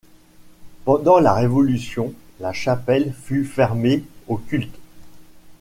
Pendant la Révolution, la chapelle fut fermée au culte.